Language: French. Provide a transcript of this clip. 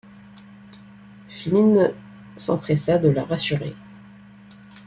Flynn s'empressa de la rassurer.